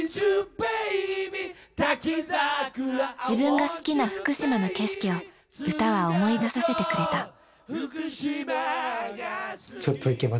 自分が好きな福島の景色を歌は思い出させてくれた。